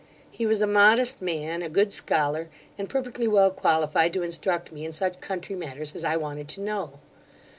He was a modest man, a good scholar, and perfectly well qualified to instruct me in such country matters as I wanted to know.